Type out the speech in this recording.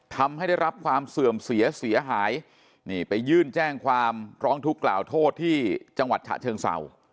ทำให้ได้รับความเสื่อมเสียเสียหายนี่ไปยื่นแจ้งความร้องทุกข์กล่าวโทษที่จังหวัดฉะเชิงเศร้า